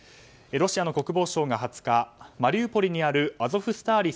ロシアの国防省が２０日マリウポリにあるアゾフスターリ